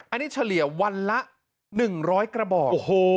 อันนี้เฉลี่ยวันละ๑๐๐กระบอก